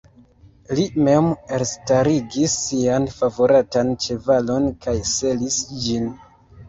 Li mem elstaligis sian favoratan ĉevalon kaj selis ĝin.